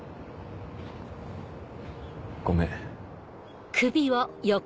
ごめん。